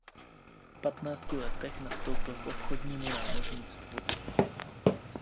V patnácti letech nastoupil k obchodnímu námořnictvu.